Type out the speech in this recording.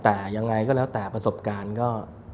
แต่ยังไงก็แล้วแต่ประสบการณ์ก็